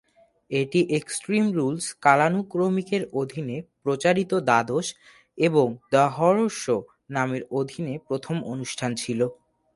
এটি extreme rules কালানুক্রমিকের অধীনে প্রচারিত দ্বাদশ এবং "দ্য হরর শো" নামের অধীনে প্রথম অনুষ্ঠান ছিল।